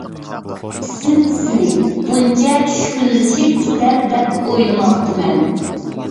ئىسىت، سېنى بۇنچە چۈشكۈنلىشىپ كېتەر دەپ ئويلىماپتىمەن.